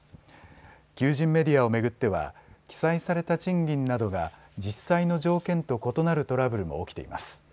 求人メディアを巡っては記載された賃金などが実際の条件と異なるトラブルも起きています。